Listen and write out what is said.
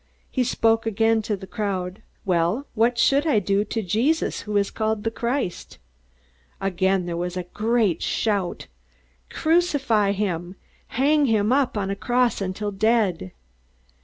He spoke again to the crowd, "Well, what shall I do to Jesus who is called the Christ?" Again there was a great shout: "Crucify him! Hang him up on a cross till he is dead!"